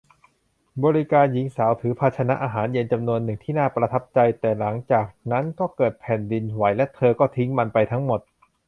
บริกรหญิงสาวถือภาชนะอาหารเย็นจำนวนหนึ่งที่น่าประทับใจ แต่หลังจากนั้นก็เกิดแผ่นดินไหวและเธอก็ทิ้งมันไปทั้งหมด